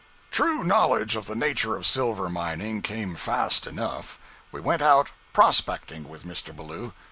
True knowledge of the nature of silver mining came fast enough. We went out "prospecting" with Mr. Ballou.